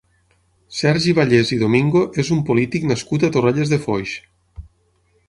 Sergi Vallès i Domingo és un polític nascut a Torrelles de Foix.